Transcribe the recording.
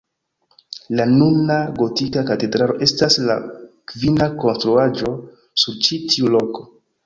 La nuna gotika katedralo estas la kvina konstruaĵo sur ĉi tiu loko.